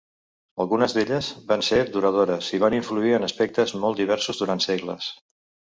Algunes d'elles van ser duradores i van influir en aspectes molt diversos durant segles.